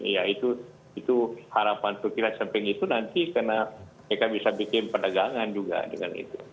ya itu harapan untuk kita samping itu nanti karena mereka bisa bikin perdagangan juga dengan itu